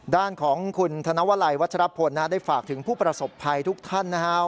ด้านของคุณธนวลัยวัชรพลได้ฝากถึงผู้ประสบภัยทุกท่านนะครับ